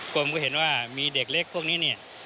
เราเห็นว่ามีเด็กเล็กพวกนี้